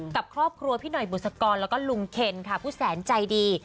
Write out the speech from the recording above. กับครอบครัวพี่หน่อยบุษกรแล้วก็ลุงเคนค่ะผู้แสนใจดี